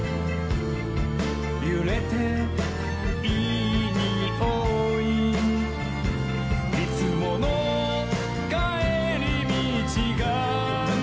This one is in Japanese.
「ゆれていいにおい」「いつものかえりみちがなぜか」